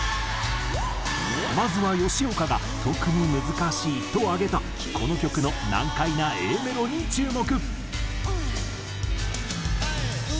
まずは吉岡が特に難しいと挙げたこの曲の難解なＡメロに注目。